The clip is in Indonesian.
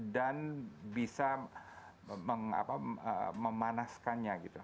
dan bisa memanaskannya gitu